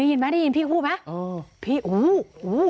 ได้ยินไหมได้ยินพี่พูดไหม